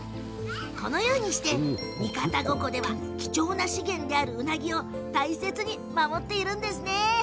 このようにして三方五湖では貴重な資源であるウナギを大切に守っているんですね。